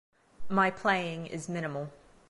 My playing is minimal.